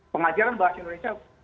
pengajaran bahasa indonesia